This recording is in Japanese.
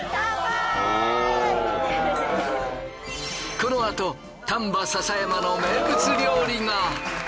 このあと丹波篠山の名物料理が。